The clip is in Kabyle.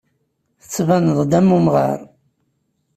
Tettbaneḍ-d am umɣar.